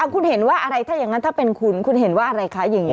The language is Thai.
คุณเห็นว่าอะไรถ้าอย่างนั้นถ้าเป็นคุณคุณเห็นว่าอะไรคะอย่างนี้